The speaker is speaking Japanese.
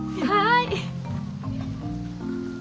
はい。